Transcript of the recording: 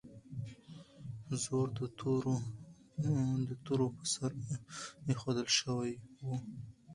زور د تورو پر سر ایښودل شوی و.